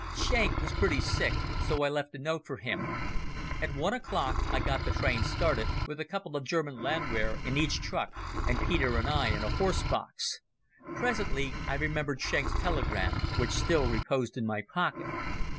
Schenk was pretty sick, so I left a note for him. At one o'clock I got the train started, with a couple of German Landwehr in each truck and Peter and I in a horse box. Presently I remembered Schenk's telegram, which still reposed in my pocket.